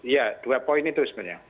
ya dua poin itu sebenarnya